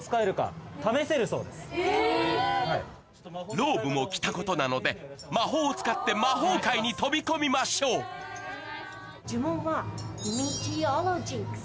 ローブも着たことなので魔法を使って魔法界に飛び込みましょう呪文はメテオロジンクス。